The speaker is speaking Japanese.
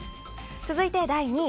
続いて、第２位。